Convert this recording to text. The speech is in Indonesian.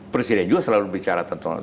presiden juga selalu bicara tentang